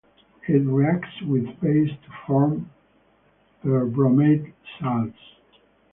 It reacts with bases to form perbromate salts.